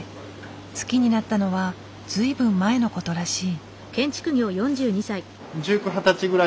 好きになったのは随分前のことらしい。